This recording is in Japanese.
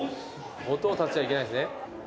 音を立てちゃいけないんですね。